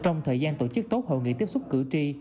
trong thời gian tổ chức tốt hội nghị tiếp xúc cử tri